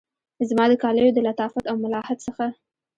زما د کالیو د لطافت او ملاحت څخه